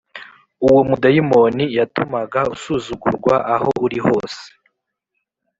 Uwo mudayimoni yatumaga usuzugurwa aho uri hose